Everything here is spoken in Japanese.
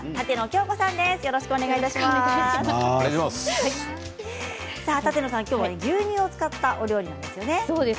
きょうは牛乳を使ったお料理なんですよね。